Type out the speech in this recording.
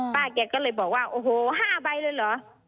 ป้าเฮะก็เลยบอกว่าโอโห๕ใบเลยเหรอ